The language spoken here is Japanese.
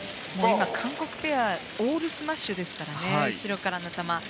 韓国ペアオールスマッシュですからね後ろからの球は。